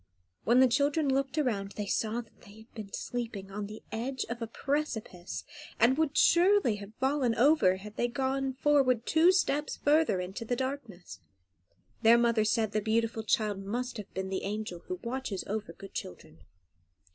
When the children looked around they saw they had been sleeping on the edge of a precipice, and would surely have fallen over if they had gone forward two steps further in the darkness. Their mother said the beautiful child must have been the angel who watches over good children.